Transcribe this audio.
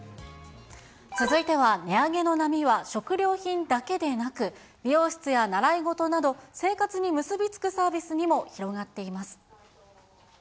続いては、値上げの波は食料品だけでなく、美容室や習い事など、生活に結び付くサービスにも広がっています。